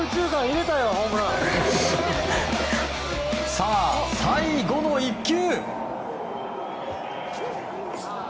さあ、最後の１球。